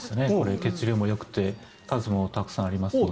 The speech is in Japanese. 血流もよくて数もたくさんありますので。